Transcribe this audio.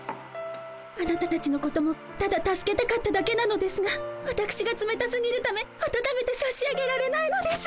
あなたたちのこともただ助けたかっただけなのですがわたくしがつめたすぎるためあたためてさしあげられないのです。